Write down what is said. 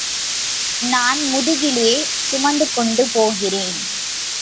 நான் முதுகிலே சுமந்துகொண்டு போகிறேன்.